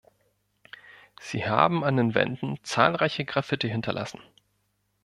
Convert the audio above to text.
Sie haben an den Wänden zahlreiche Graffiti hinterlassen.